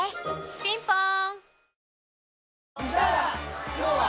ピンポーン